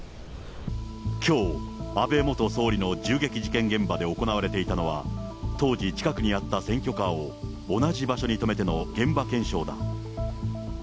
きょう、安倍元総理の銃撃事件現場で行われていたのは、当時、近くにあった選挙カーを同じ場所に止めての現場検証だ。